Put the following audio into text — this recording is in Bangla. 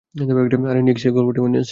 আরে, নিক, সেই গল্পটি মনে আছে।